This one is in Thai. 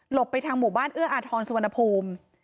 ไปทางหมู่บ้านเอื้ออาทรสุวรรณภูมิ